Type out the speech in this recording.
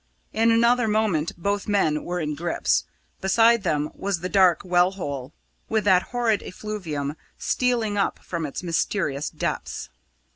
In another moment both men were in grips. Beside them was the dark well hole, with that horrid effluvium stealing up from its mysterious depths.